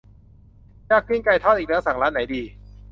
อยากกินไก่ทอดอีกแล้ว สั่งร้านไหนดี